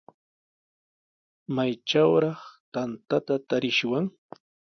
¿Maytrawraq tantata tarishwan?